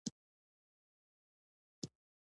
بادرنګ هر وخت تازه موندل کېږي.